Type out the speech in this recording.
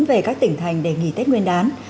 về các tỉnh thành để nghỉ tết nguyên đán